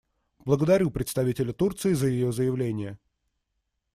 Благодарю представителя Турции за ее заявление.